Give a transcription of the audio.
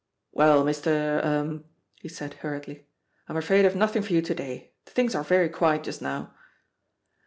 "Well, Mr. ^r " he said hurriedly, "I'm afraid IVe nothing for you to day; things are very quiet just now.